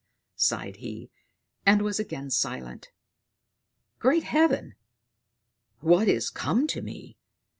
sighed he, and was again silent. "Great Heaven! What is come to me!